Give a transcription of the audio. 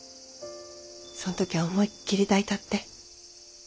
そん時は思いっきり抱いたって。